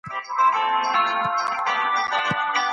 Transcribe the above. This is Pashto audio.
ولي خلګ د ځمکي په پيدايښت کي فکر نه کوي؟